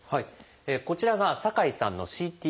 こちらが酒井さんのＣＴ画像です。